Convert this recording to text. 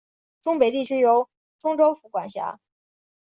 忠北地区由忠州府管辖。